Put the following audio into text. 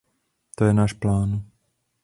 To je náš plán.